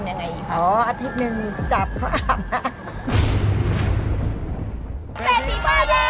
เซทีป้ายแดง